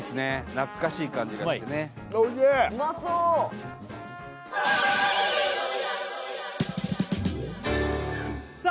懐かしい感じがしてねうまい？